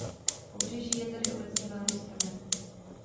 Pobřeží je tady obecně velmi strmé.